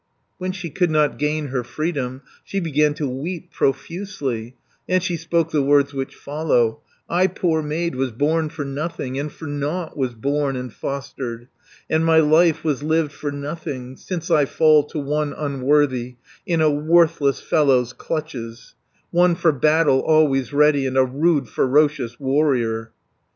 When she could not gain her freedom, She began to weep profusely, And she spoke the words which follow: "I, poor maid, was born for nothing, And for nought was born and fostered, And my life was lived for nothing, 240 Since I fall to one unworthy, In a worthless fellow's clutches, One for battle always ready, And a rude ferocious warrior."